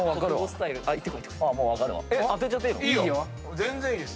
全然いいです。